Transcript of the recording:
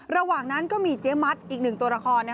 ระหว่างนั้นก็มีเจ๊มัดอีกหนึ่งตัวละคร